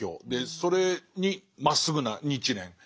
それにまっすぐな日蓮。